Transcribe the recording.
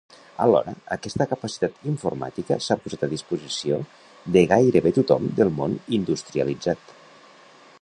Alhora, aquesta capacitat informàtica s'ha posat a disposició de gairebé tothom del món industrialitzat.